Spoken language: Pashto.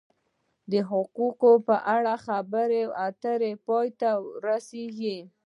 د حقوقو په اړه خبرې اترې پای ته رسیږي.